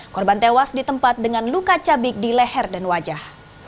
korban tewas di tempat dengan luka cabik di leher dan wajah